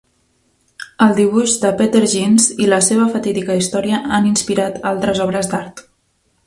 El dibuix de Petr Ginz i la seva fatídica història han inspirat altres obres d'art.